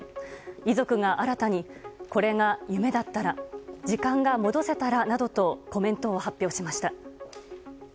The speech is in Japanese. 遺族が新たに、これが夢だったら時間が戻せたらなどとコメントを発表しました。